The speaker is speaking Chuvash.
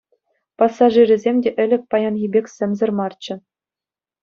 Пассажирӗсем те ӗлӗк паянхи пек сӗмсӗр марччӗ.